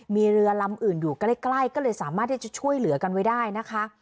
มีเรือลำอื่นอยู่ใกล้ก็เลยสามารถที่จะช่วยเหลือกันไว้ได้นะคะ